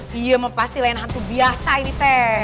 dia mau pasti layan hantu biasa ini teh